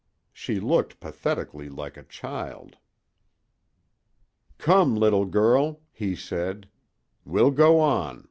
She looked pathetically like a child. "Come, little girl," he said. "We'll go on.